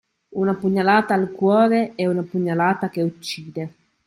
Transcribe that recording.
Una pugnalata al cuore è una pugnalata che uccide.